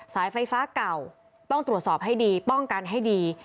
สายไฟฟ้าเก่าต้องตรวจสอบให้ดีป้องกันให้ดี